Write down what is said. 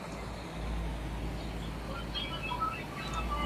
Usualmente su posición es Segunda línea.